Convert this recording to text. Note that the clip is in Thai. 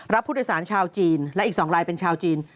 รับผู้โดยสารชาวจีนและอีก๒ลายเป็นชาวจีน